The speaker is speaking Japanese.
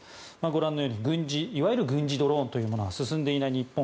ご覧のようにいわゆる軍事ドローンというものが進んでいない日本。